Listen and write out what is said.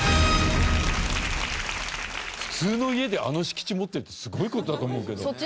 普通の家であの敷地持ってるってすごい事だと思うけどね。